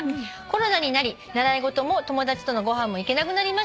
「コロナになり習い事も友達とのご飯も行けなくなりました」